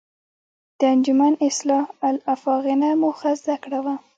د انجمن اصلاح الافاغنه موخه زده کړه وه.